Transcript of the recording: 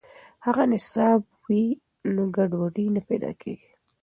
که نصاب وي نو ګډوډي نه پیدا کیږي.